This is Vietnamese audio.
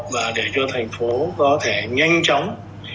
và để cho thành phố có thể nhanh chóng